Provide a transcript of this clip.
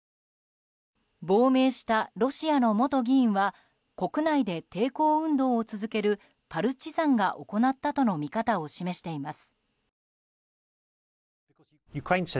亡命したロシアの元議員は国内で抵抗運動を続けるパルチザンが行ったとの見方を示しています。